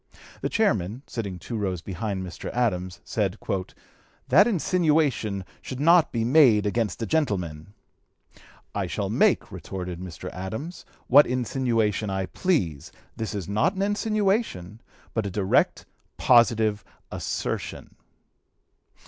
The chairman, sitting two rows behind Mr. Adams, said, "that insinuation should not be (p. 260) made against a gentleman!" "I shall make," retorted Mr. Adams, "what insinuation I please. This is not an insinuation, but a direct, positive assertion."